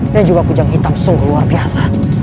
dan juga kujang hitam sungguh luar biasa